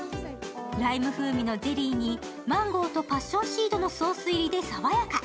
ライム風味のゼリーにマンゴーとパッションシードのソース入りで爽やか。